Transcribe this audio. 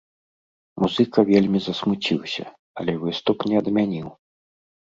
Музыка вельмі засмуціўся, але выступ не адмяніў.